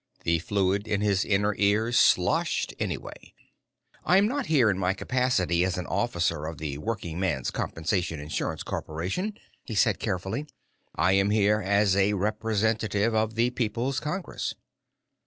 The fluid in his inner ears sloshed anyway. "I am not here in my capacity as an officer of the Workingman's Compensation Insurance Corporation," he said carefully. "I am here as a representative of the People's Congress."